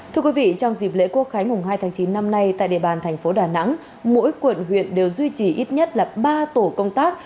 thưa quý vị trong dịp lễ quốc khái mùng hai tháng chín năm nay tại địa bàn thành phố đà nẵng mỗi quận huyện đều duy trì ít nhất là ba tổ công tác